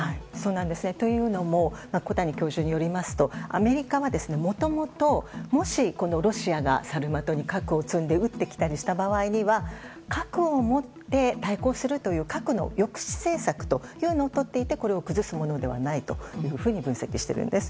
というのも小谷教授によりますとアメリカはもともと、もしロシアがサルマトに核を積んで撃ってきたりした場合には核をもって対抗するという核の抑止政策というのをとっていてこれを崩すものではないというふうに分析しているんです。